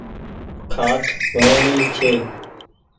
کآٽ وڻوڻي ڇي۔